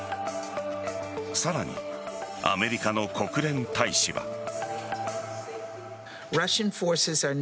さらに、アメリカの国連大使は。